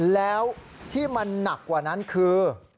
แล้วที่มันหนักกว่านั้นคือ